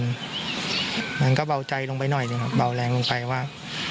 มันก็เบาใจลงไปหน่อยหนึ่งเบาแรงลงไปว่า